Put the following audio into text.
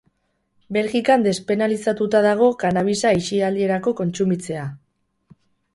Belgikan despenalizatuta dago kannabisa aisialdirako kontsumitzea.